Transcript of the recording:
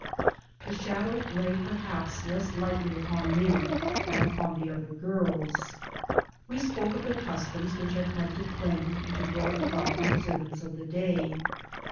The shadow lay perhaps less lightly upon me than upon the other girls. We spoke of the customs which had come to cling and to grow about the observance of the day.